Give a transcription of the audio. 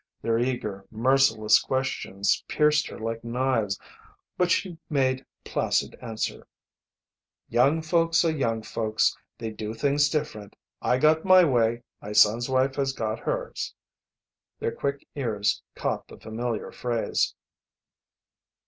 Their eager, merciless questions pierced her like knives, but she made placid answer: "Young folks are young folks. They do things different. I got my way. My son's wife has got hers." Their quick ears caught the familiar phrase.